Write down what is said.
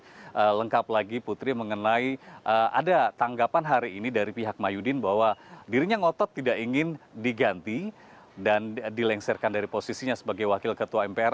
di dalam mobil saya bersama rekan rekan yang lain mencoba mendapatkan penjelasan lebih lengkap lagi putri mengenai ada tanggapan hari ini dari pihak mah yudin bahwa dirinya ngotot tidak ingin diganti dan dilengsarkan dari posisinya sebagai wakil ketua mpr